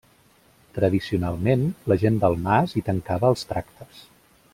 Tradicionalment, la gent del mas hi tancava els tractes.